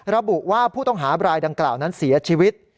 ระบุว่าผู้ต้องหาบรายดังกล่าวนั้นเสียชีวิต